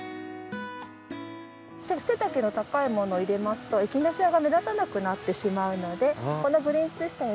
背丈の高いものを入れますとエキナセアが目立たなくなってしまうのでこの‘グリーン・ツイスター